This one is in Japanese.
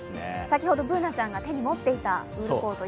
先ほどＢｏｏｎａちゃんが手に持っていたウールコート